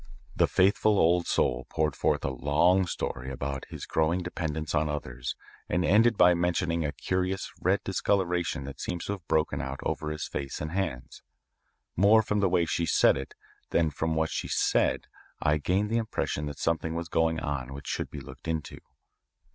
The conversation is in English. The faithful old soul poured forth a long story about his growing dependence on others and ended by mentioning a curious red discoloration that seems to have broken out over his face and hands. More from the way she said it than from what she said I gained the impression that something was going on which should be looked into.